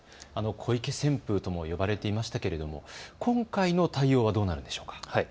小池旋風とも呼ばれていましたけれども、今回の対応はどうなるんでしょうか。